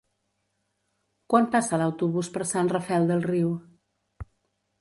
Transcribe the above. Quan passa l'autobús per Sant Rafel del Riu?